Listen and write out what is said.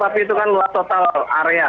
tapi itu kan luas total area